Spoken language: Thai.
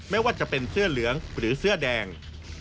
ไม่ว่าจะเป็นเสื้อเหลืองหรือเสื้อแดง